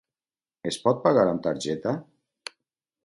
Es pot pagar amb targeta?